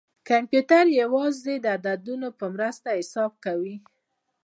کمپیوټر یوازې د عددونو په مرسته محاسبه کوي.